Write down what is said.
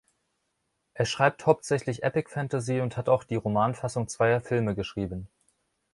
Er schreibt hauptsächlich Epic Fantasy und hat auch die Romanfassung zweier Filme geschrieben.